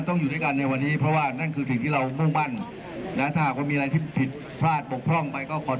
ก็อยู่ที่พวกเราจะได้ทำหรือไม่ทำอะไรก็บ้าออกไป